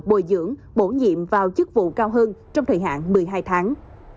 bồi dưỡng bổ nhiệm vào chức vụ cao hơn trong thời hạn một mươi hai tháng